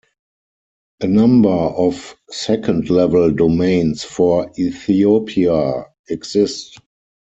A number of second-level domains for Ethiopia exist.